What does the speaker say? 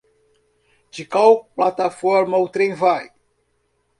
De qual plataforma o trem vai?